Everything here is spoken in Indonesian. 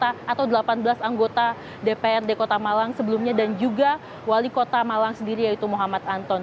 kasusnya telah ditetapkan juga sembilan belas anggota atau delapan belas anggota dprd kota malang sebelumnya dan juga wali kota malang sendiri yaitu muhammad anton